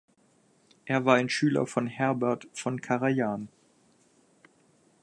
Er war ein Schüler von Herbert von Karajan.